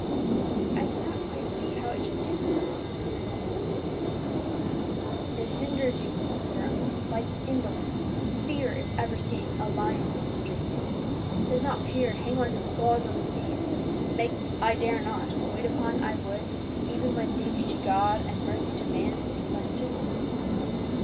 "I do not quite see how it should do so," murmured Emmie. "It hinders usefulness," said her uncle; "like indolence, fear is ever seeing 'a lion in the street.' Does not fear hang like a clog on the spirit, making 'I dare not' wait upon 'I would,' even when duty to God and mercy to man is in question?"